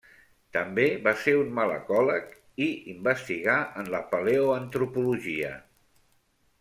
També va ser un malacòleg i investigà en la paleoantropologia.